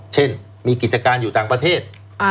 เช่นมีกิจการอยู่ต่างประเทศ